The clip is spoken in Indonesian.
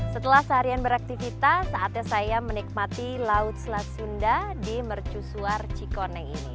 setelah seharian beraktivitas saatnya saya menikmati laut selat sunda di mercusuar cikone ini